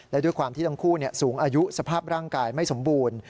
และด้วยความที่ทั้งคู่สูงอายุสภาพร่างกายไม่สมบูรณ์